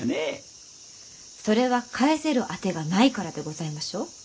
それは返せる当てがないからでございましょう？